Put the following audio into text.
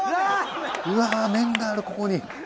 うわ麺があるここに。